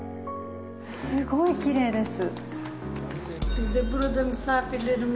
すごいきれいです。